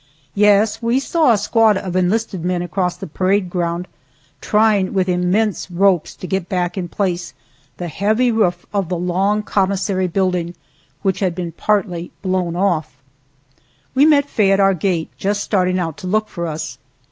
Yes, we saw a squad of enlisted men across the parade ground, trying with immense ropes to get back in place the heavy roof of the long commissary building which had been partly blown off. We met Faye at our gate, just starting out to look for us.